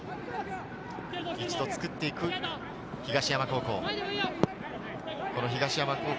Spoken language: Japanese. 一度つくっていく東山高校。